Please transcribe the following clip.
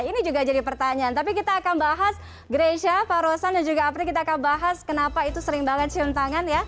ini juga jadi pertanyaan tapi kita akan bahas grecia pak rosan dan juga apri kita akan bahas kenapa itu sering banget cium tangan ya